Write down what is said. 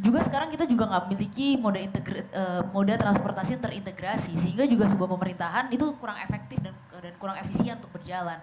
juga sekarang kita juga nggak memiliki moda transportasi terintegrasi sehingga juga sebuah pemerintahan itu kurang efektif dan kurang efisien untuk berjalan